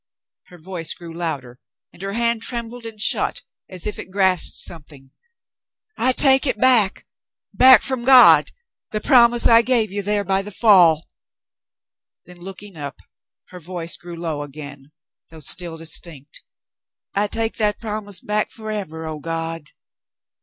Her voice grew louder, and her hand trembled and shut as if it grasped something. "I take it back — back from God — the promise I gave you there by the fall." Then, looking up, her voice grew low again, though still distinct. "I take that promise back forever, oh, God